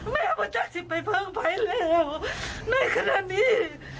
แม่มันจัดสิทธิ์ไปเพิ่งไปเลยในขณะนี้